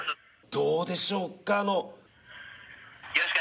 どうでしょうか？